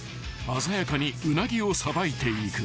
［鮮やかにウナギをさばいていく］